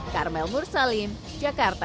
karmel mursalim jakarta